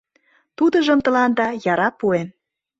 Тудыжым тыланда яра пуэм.